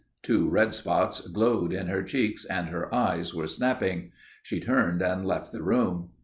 Two red spots glowed in her cheeks and her eyes were snapping. She turned and left the room.